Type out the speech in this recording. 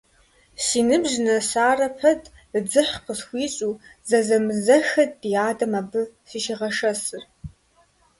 Си ныбжь нэсарэ пэт, дзыхь къысхуищӀу, зэзэмызэххэт ди адэм абы сыщигъэшэсыр.